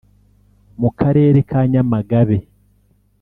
mu Karere ka Nyamagabe